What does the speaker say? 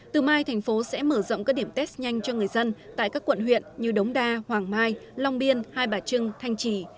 từ mai thành phố sẽ mở rộng các điểm test nhanh cho người dân tại các quận huyện như đống đa hoàng mai long biên hai bà trưng thanh trì